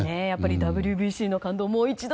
ＷＢＣの感動をもう一度。